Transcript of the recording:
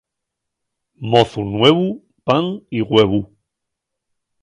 Mozu nuevu, pan y güevu.